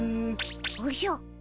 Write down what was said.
おじゃ。